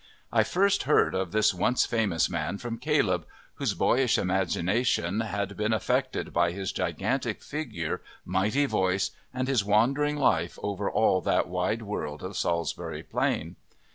I first heard of this once famous man from Caleb, whose boyish imagination had been affected by his gigantic figure, mighty voice, and his wandering life over all that wide world of Salisbury Plain.